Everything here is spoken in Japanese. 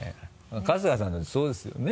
春日さんだってそうですよね？